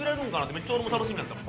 めっちゃ俺も楽しみやったもん。